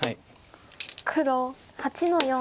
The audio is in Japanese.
黒８の四。